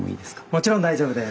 もちろん大丈夫です。